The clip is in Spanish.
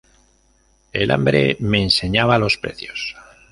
El hambre me enseñaba los precios.